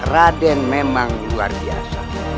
raden memang luar biasa